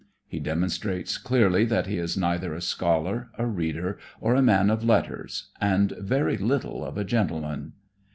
He demonstrates clearly that he is neither a scholar, a reader or a man of letters and very little of a gentleman.